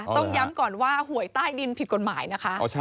ต้องย้ำก่อนว่าหวยใต้ดินผิดกฎหมายนะคะ